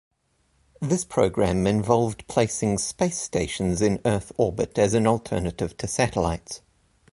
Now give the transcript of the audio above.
This program involved placing space stations in Earth orbit as an alternative to satellites.